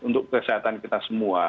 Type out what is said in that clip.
untuk kesehatan kita semua